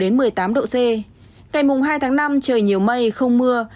ngày hai tháng năm trời nhiều mây không mưa